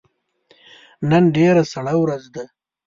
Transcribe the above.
نن ډیره سړه ورځ ده